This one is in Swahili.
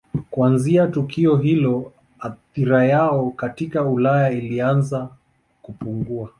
Kuanzia tukio hilo athira yao katika Ulaya ilianza kupungua.